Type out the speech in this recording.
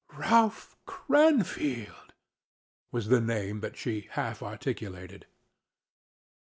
"Ralph Cranfield!" was the name that she half articulated.